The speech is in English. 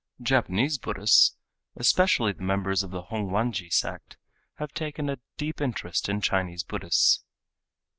Japanese Buddhists, especially the members of the Hongwanji sect, have taken a deep interest in Chinese Buddhists.